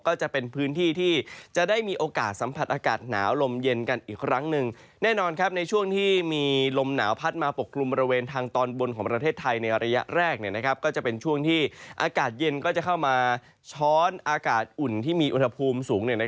ก็จะเป็นพื้นที่ที่จะได้มีโอกาสสัมผัสอากาศหนาวลมเย็นกันอีกครั้งหนึ่ง